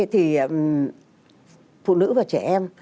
thì phụ nữ và trẻ em